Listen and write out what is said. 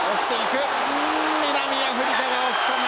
うん南アフリカが押し込む。